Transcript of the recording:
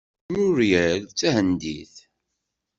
Muiriel d tahendit.